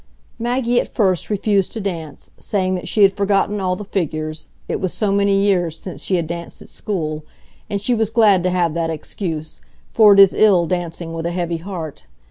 Maggie at first refused to dance, saying that she had forgotten all the figures—it was so many years since she had danced at school; and she was glad to have that excuse, for it is ill dancing with a heavy heart.